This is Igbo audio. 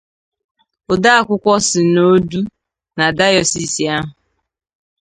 odeakwụkwọ sinọọdụ na dayọsiisi ahụ